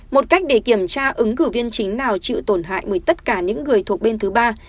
một cách để kiểm tra ứng cử viên chính nào chịu tổn hại bởi tất cả những người thuộc bên thứ ba